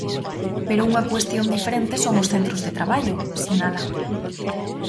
Pero unha cuestión diferente son os centros de traballo, sinala.